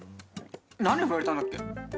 何でフラれたんだっけ？